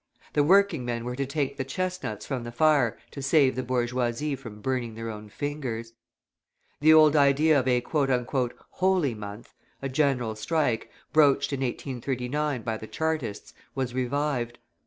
The working men were to take the chestnuts from the fire to save the bourgeoisie from burning their own fingers. The old idea of a "holy month," a general strike, broached in 1839 by the Chartists, was revived.